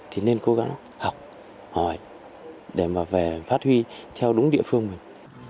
học hỏi để mà về phát huy theo đúng địa phương mình